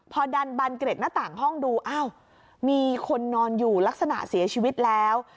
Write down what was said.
พอดันบันเกร็ดหน้าต่างห้องดูอ้าวมีคนนอนอยู่ลักษณะเสียชีวิตแล้ว